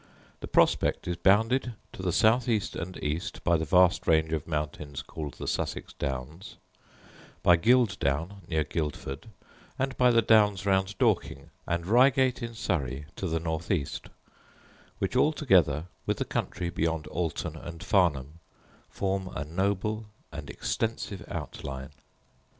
The prospect is bounded to the south east and east by the vast range of mountains called the Susses downs, by Guild down near Guildford, and by the Downs round Dorking, and Ryegate in Surrey, to the north east, which altogether, with the country beyond Alton and Farnham, form a noble and extensive outline.